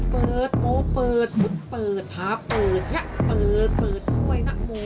เปิดโมเปิดหมุนเปิดขาเปิดเนี่ยเปิดเปิดด้วยนะโม